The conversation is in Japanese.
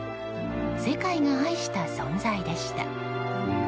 世界が愛した存在でした。